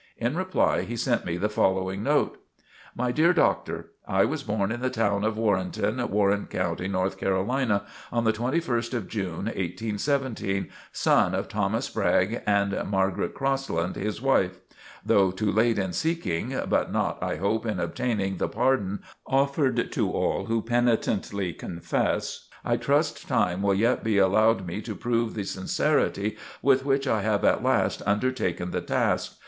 In reply he sent me the following note: My dear Doctor: I was born in the town of Warrenton, Warren County, North Carolina, on the 21st of June, 1817, son of Thomas Bragg and Margaret Crossland, his wife. Though too late in seeking, [but not,] I hope, in obtaining the pardon offered to all who penitently confess, I trust time will yet be allowed me to prove the sincerity with which I have at last undertaken the task.